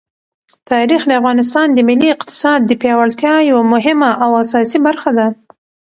تاریخ د افغانستان د ملي اقتصاد د پیاوړتیا یوه مهمه او اساسي برخه ده.